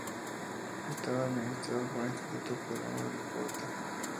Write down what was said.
Estaba administrado por Instituto Peruano del Deporte.